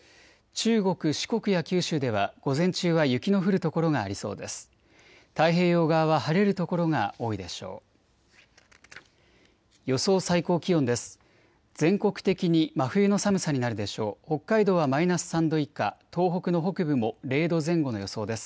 中国、四国や九州では午前中は雪の降る所がありそうです。